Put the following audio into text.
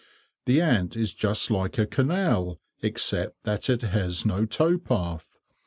The Ant is just like a canal, except that it has no tow path.